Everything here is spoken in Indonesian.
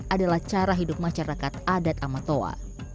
adalah cara hidup masyarakat adat amatoa